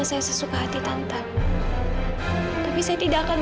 sana ini faiden